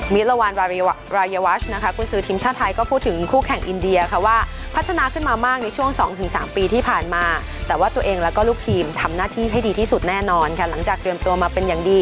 ละวันรายวัชนะคะคุณซื้อทีมชาติไทยก็พูดถึงคู่แข่งอินเดียค่ะว่าพัฒนาขึ้นมามากในช่วง๒๓ปีที่ผ่านมาแต่ว่าตัวเองแล้วก็ลูกทีมทำหน้าที่ให้ดีที่สุดแน่นอนค่ะหลังจากเตรียมตัวมาเป็นอย่างดี